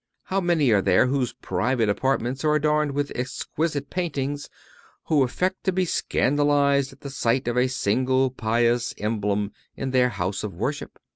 (278) How many are there whose private apartments are adorned with exquisite paintings, who affect to be scandalized at the sight of a single pious emblem in their house of worship?